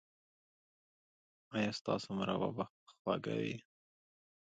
ایا ستاسو مربا به خوږه وي؟